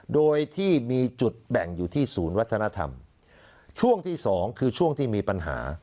โดยที่มีจุดแบ่งอยู่ที่ศูนย์วัฒนธรรมช่วงที่สองคือช่วงที่มีปัญหา